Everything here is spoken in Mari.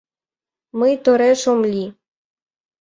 — Мый тореш ом лий.